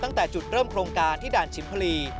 ตั้งแต่จุดเริ่มโครงการที่ด่านชิมพลี